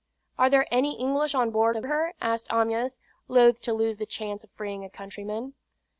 "Are there any English on board of her?" asked Amyas, loth to lose the chance of freeing a countryman.